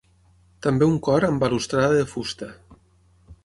També un cor amb balustrada de fusta.